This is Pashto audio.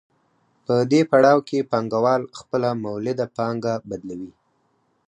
په دې پړاو کې پانګوال خپله مولده پانګه بدلوي